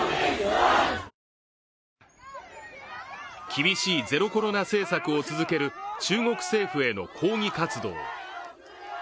厳しいゼロコロナ政策を続ける中国政府への抗議活動。